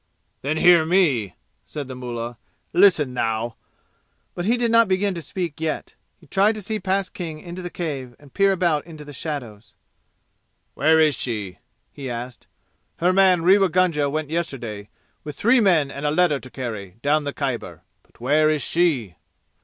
"Then hear me!" said the mullah. "Listen, thou." But he did not begin to speak yet. He tried to see past King into the cave and to peer about into the shadows. "Where is she?" he asked. "Her man Rewa Gunga went yesterday, with three men and a letter to carry, down the Khyber. But where is she?"